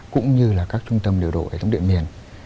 cũng như các trung tâm điều đổi thống địa miền